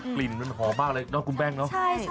กลิ่นมันหอมมากเลยเนาะคุณแป้งเนอะ